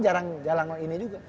jarang jalan jalan ini juga